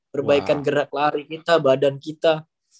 perbaikan gerak lari kita badan kita